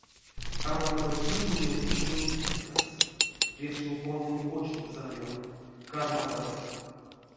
Карматадо цийнеме икеленек кискакс, вешеме пондыне почт заём, карматадо!